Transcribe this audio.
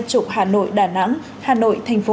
trục hà nội đà nẵng hà nội thành phố